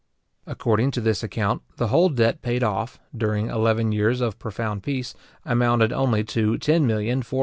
According to this account, the whole debt paid off, during eleven years of profound peace, amounted only to £10,415,476:16:9 7/8.